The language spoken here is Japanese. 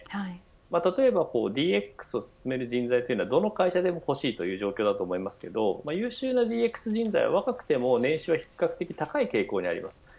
例えばＤＸを進める人材はどの会社でもほしい状況だと思いますが優秀なＤＸ人材は若くても年収が比較的高い傾向にあります。